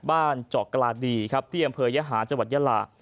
บ้านเจาะกราดีตี่อำเภยฮาจยลา